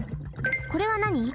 これはなに？